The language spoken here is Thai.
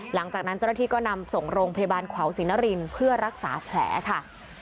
หลังจากนั้นเจ้าหน้าที่ก็นำส่งโรงพยาบาลขวาวศรีนรินเพื่อรักษาแผลค่ะ